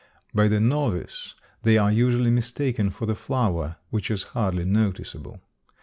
By the novice they are usually mistaken for the flower, which is hardly noticeable.